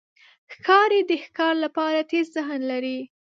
ښکاري د ښکار لپاره تېز ذهن لري.